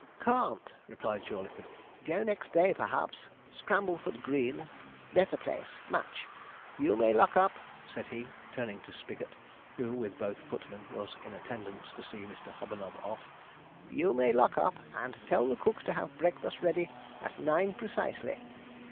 'Can't,' replied Jawleyford; 'go next day, perhaps Scrambleford Green better place much. You may lock up,' said he, turning to Spigot, who, with both footmen, was in attendance to see Mr. Hobanob off; 'you may lock up, and tell the cook to have breakfast ready at nine precisely.'